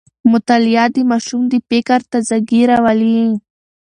مطالعه د ماشوم د فکر تازه ګي راولي.